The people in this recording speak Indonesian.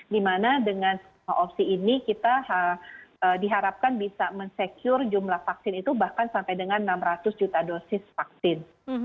dimana dengan semua opsi ini kita diharapkan bisa mensecure jumlah vaksin itu bahkan sampai dengan enam ratus juta dosis vaksin